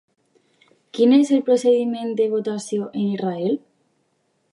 Quin és el procediment de votació en Israel?